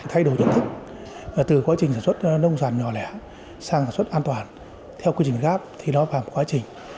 thay đổi nhận thức từ quá trình sản xuất nông sản nhỏ lẻ sang sản xuất an toàn theo quy trình gáp thì nó vào một quá trình